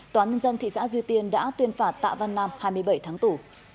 tòa nhân dân thị xã duy tiên đã tuyên phạt tạ văn nam hai mươi bảy tháng tù